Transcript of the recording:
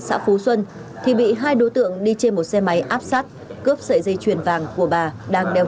xã phú xuân thì bị hai đối tượng đi trên một xe máy áp sát cướp sợi dây chuyền vàng của bà đang đeo